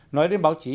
nói đến báo chí